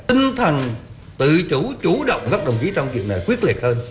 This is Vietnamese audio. tinh thần tự chủ chủ động các đồng chí trong chuyện này quyết liệt hơn